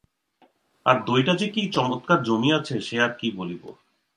আর দইটা যে কী চমৎকার জমিয়াছে সে আর কী বলিব।